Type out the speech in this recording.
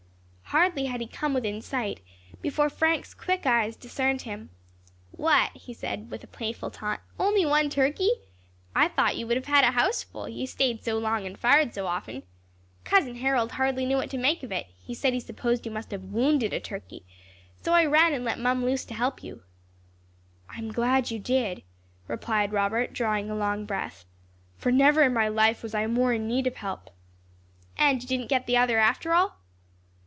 Hardly had he come within sight, before Frank's quick eyes discerned him. "What!" said he, with a playful taunt, "only one turkey! I thought you would have had a house full, you staid so long and fired so often. Cousin Harold hardly knew what to make of it; he said he supposed you must have wounded a turkey; so I ran and let Mum loose to help you." "I am glad you did," replied Robert, drawing a long breath, "for never in my life was I more in need of help." "And you didn't get the other after all?"